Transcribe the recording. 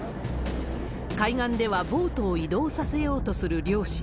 海岸ではボートを移動させようとする漁師。